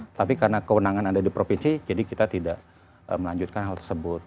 tapi karena kewenangan ada di provinsi jadi kita tidak melanjutkan hal tersebut